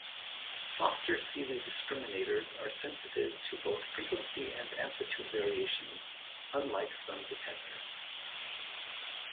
Foster-Seeley discriminators are sensitive to both frequency and amplitude variations, unlike some detectors.